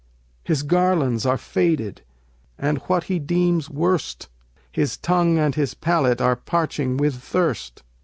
His garlands are faded, and what he deems worst, His tongue and his palate are parching with thirst.